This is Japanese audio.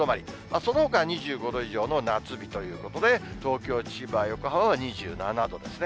そのほか２５度以上の夏日ということで、東京、千葉、横浜は２７度ですね。